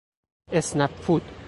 اسنپ فود